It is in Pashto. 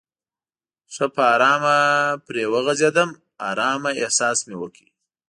ښه په آرامه پرې وغځېدم، آرامه احساس مې وکړ.